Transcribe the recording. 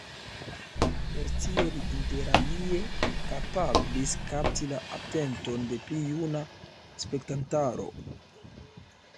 Per tio li interalie kapablis kapti la atenton de pli juna spektantaro.